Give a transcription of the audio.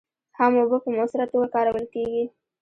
هم اوبه په مؤثره توکه کارول کېږي.